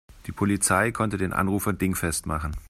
Die Polizei konnte den Anrufer dingfest machen.